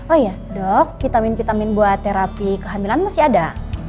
oh iya dok vitamin vitamin buat terapi kehamilan masih ada